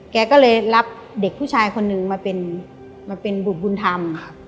แกก็เลยรับเด็กผู้ชายคนนึงมาเป็นบุตรบุญธรรม